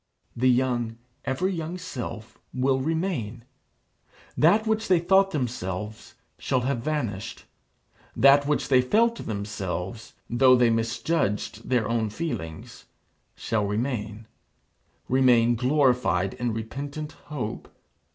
The young, ever young self, will remain. That which they thought themselves shall have vanished: that which they felt themselves, though they misjudged their own feelings, shall remain remain glorified in repentant hope.